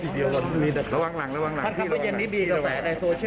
บรรยากาศดูบรรยากาศดู